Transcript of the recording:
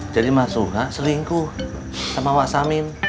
jadi mas suha selingkuh sama wasamin